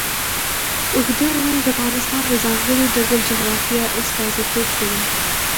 اوږده غرونه د افغانستان د ځانګړي ډول جغرافیه استازیتوب کوي.